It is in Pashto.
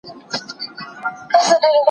چي په ښكلي وه باغونه د انګورو